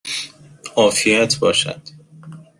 عافیت باشد!